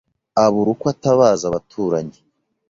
abura uko atabaza abaturanyi